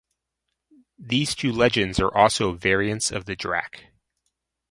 These two legends are also variants of the drac.